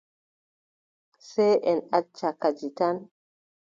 Sey en acca kadi tan.